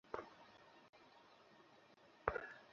তোমার বয়ফ্রেন্ড, স্বামী না ভাই?